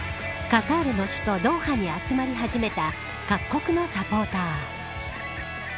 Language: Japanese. カタールの首都ドーハに集まり始めた各国のサポーター。